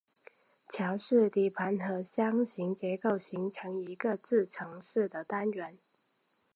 桥式底盘和箱形结构形成一个自承式的单元。